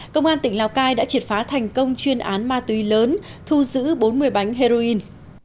công an tỉnh lào cai đã triệt phá thành công chuyên án ma túy lớn thu giữ bốn mươi bánh heroin